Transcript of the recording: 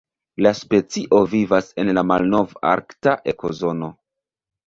La specio vivas en la Malnov-Arkta ekozono.